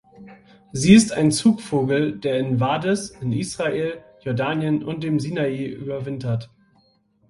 Sie ist ein Zugvogel, der in Wadis in Israel, Jordanien und dem Sinai überwintert.